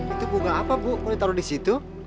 itu bunga apa bu kok ditaruh disitu